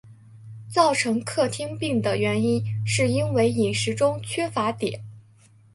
造成克汀病的原因是因为饮食中缺乏碘。